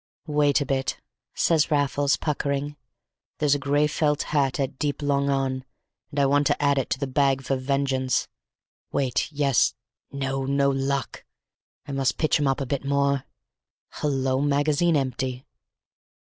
"Wait a bit," says Raffles, puckering; "there's a gray felt hat at deep long on, and I want to add it to the bag for vengeance.... Wait—yes—no, no luck! I must pitch 'em up a bit more. Hallo! Magazine empty.